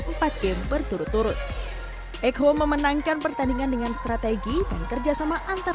empat game berturut turut eko memenangkan pertandingan dengan strategi dan kerjasama antar